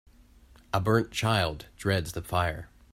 A burnt child dreads the fire.